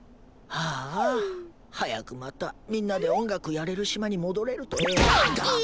ああ早くまたみんなで音楽やれる島に戻れるとええな。